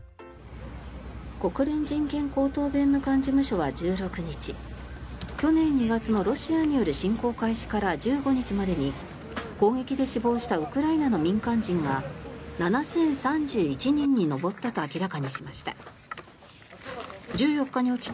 国連人権高等弁務官事務所は１６日去年２月のロシアによる侵攻開始から１５日までに攻撃で死亡したウクライナの民間人が７０３１人に上ったと明らかにしました。